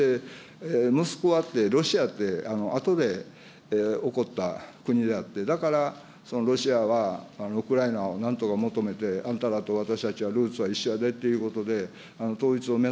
モスクワって、ロシアって後で興った国であって、だからロシアはウクライナをなんとか求めて、あんたたちと私たちはルーツは一緒やでっていうことで、統一を目